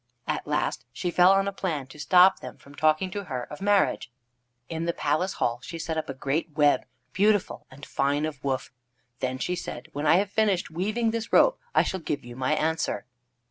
At last she fell on a plan to stop them from talking to her of marriage. In the palace hall she set up a great web, beautiful and fine of woof. Then she said, "When I have finished weaving this robe I shall give you my answer."